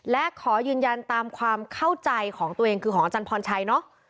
และขอยืนยันตามความเข้าใจของตัวเองคือของอาจารย์พรชัยเนาะ